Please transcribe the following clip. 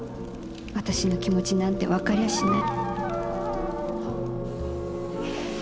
私の気持ちなんて分かりゃしない。